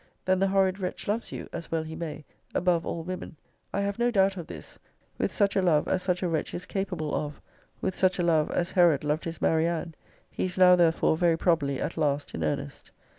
Then the horrid wretch loves you (as well he may) above all women. I have no doubt of this: with such a love >>> as such a wretch is capable of: with such a love as Herod loved his Marianne. He is now therefore, very probably, at last, in earnest.'